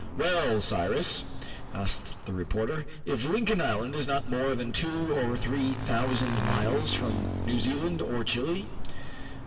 "Well, Cyrus," asked the reporter, "if Lincoln Island is not more than two or three thousand miles from New Zealand or Chile?"